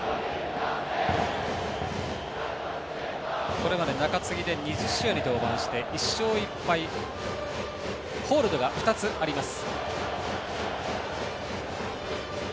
これまで中継ぎで２０試合に登板して１勝１敗ホールドが２つあります。